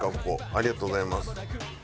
ありがとうございます。